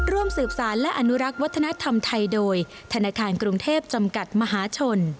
ร่วมสืบสารและอนุรักษ์วัฒนธรรมไทยโดยธนาคารกรุงเทพจำกัดมหาชน